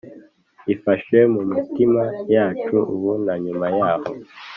ifashe mu mitima yacu ubu na nyuma yaho.